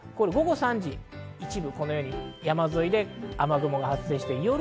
午後３時、一部このように山沿いで雨雲が発生します。